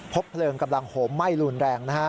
พบเพลิงกำลังโหม่มไหม้รุนแรง